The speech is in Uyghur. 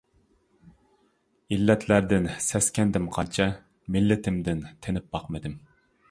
ئىللەتلەردىن سەسكەندىم قانچە، مىللىتىمدىن تېنىپ باقمىدىم.